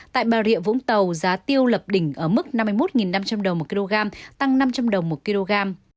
tại bà rịa vũng tàu giá tiêu lập đỉnh ở mức năm mươi một năm trăm linh đồng một kg tăng năm trăm linh đồng một kg